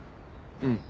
うん。